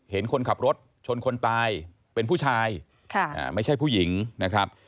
เห็นคนขับรถชนคนตายเป็นผู้ชายไม่ใช่ผู้หญิงนะครับ